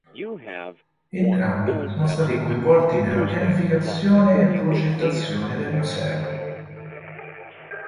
Entrambi sono stati coinvolti nella pianificazione e progettazione del museo.